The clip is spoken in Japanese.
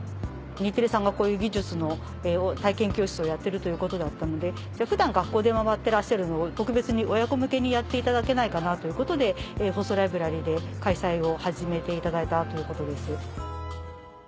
日テレさんがこういう技術の体験教室をやっているということだったので普段学校で回ってらっしゃるのを特別に親子向けにやっていただけないかなということで放送ライブラリーで開催を始めていただいたということです。